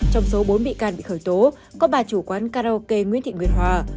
trong số bốn bị can bị khởi tố có ba chủ quán karaoke nguyễn thị nguyên hòa